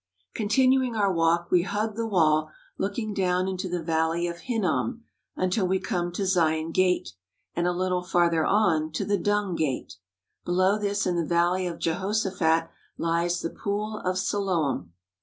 Continuing our walk we hug the wall looking down into the Valley of Hinnom until we come to Zion Gate, and a little farther on to the Dung Gate. Below this in the Valley of Jehoshaphat lies the Pool of Siloam.